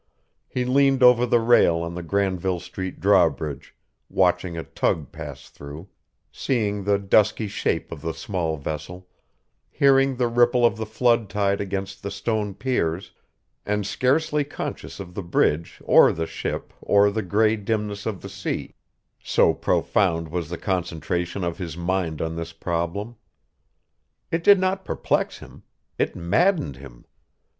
He leaned over the rail on the Granville Street drawbridge watching a tug pass through, seeing the dusky shape of the small vessel, hearing the ripple of the flood tide against the stone piers, and scarcely conscious of the bridge or the ship or the gray dimness of the sea, so profound was the concentration of his mind on this problem. It did not perplex him; it maddened him.